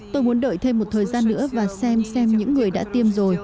tôi muốn đợi thêm một thời gian nữa và xem xem những người đã tiêm rồi